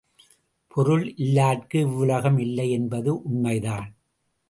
பொருளில்லார்க்கு, இவ்வுலகம் இல்லை என்பது உண்மைதான்!